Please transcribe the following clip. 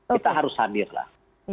kita harus hadirlah